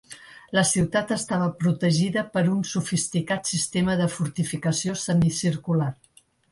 La ciutat estava protegida per un sofisticat sistema de fortificació semicircular.